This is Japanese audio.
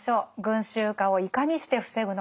群衆化をいかにして防ぐのか。